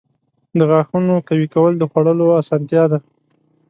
• د غاښونو قوي کول د خوړلو اسانتیا ده.